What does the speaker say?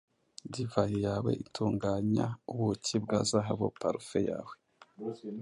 Divayi yawe itunganya ubuki bwa zahabu; parufe yawe,